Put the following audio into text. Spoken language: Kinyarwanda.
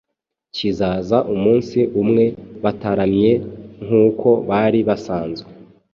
kizaza Umunsi umwe, bataramye nk’uko bari basanzwe